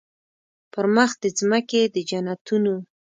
پر مخ د مځکي د جنتونو